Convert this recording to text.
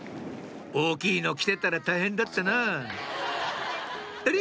大きいの来てたら大変だったなぁあれ？